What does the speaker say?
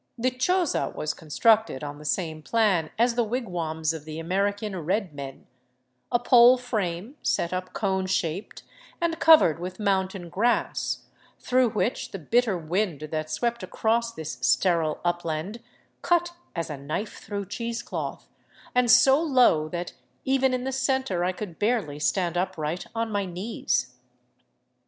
The choza was constructed on the same plan as the wigwams of the American " red men," — a pole frame set up cone shaped and covered with mountain grass, through which the bit ter wind that swept across this sterile upland cut as a knife through cheese cloth, and so low that even in the center I could barely stand upright on my knees.